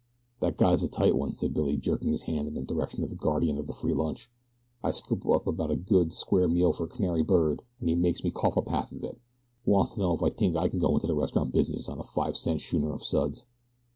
"That guy's a tight one," said Billy, jerking his hand in the direction of the guardian of the free lunch. "I scoops up about a good, square meal for a canary bird, an' he makes me cough up half of it. Wants to know if I t'ink I can go into the restaurant business on a fi' cent schooner of suds."